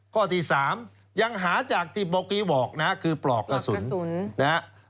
ข้อที่๓ยังหาจากที่บอกวีบอกคือปลอกกระสุน